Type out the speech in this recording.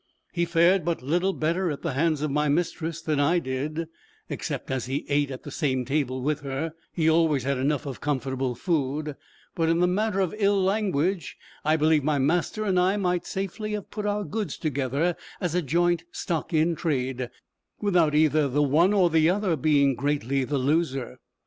He fared but little better at the hands of my mistress than I did, except as he ate at the same table with her, he always had enough of comfortable food; but in the matter of ill language, I believe my master and I might safely have put our goods together as a joint stock in trade, without either the one or the other being greatly the loser.